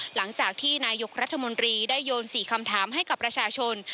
หลังจากที่นายกรัฐมนตรีได้โยน๔คำถามให้กับประชาชน